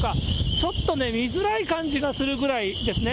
ちょっとね、見づらい感じがするぐらいですね。